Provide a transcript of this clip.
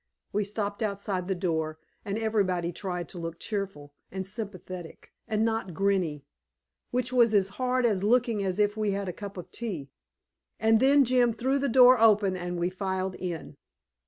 We stopped outside the door, and everybody tried to look cheerful and sympathetic, and not grinny which was as hard as looking as if we had had a cup of tea and then Jim threw the door open and we filed in.